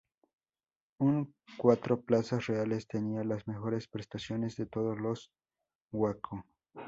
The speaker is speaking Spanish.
Un cuatro plazas reales, tenía las mejores prestaciones de todos los Waco.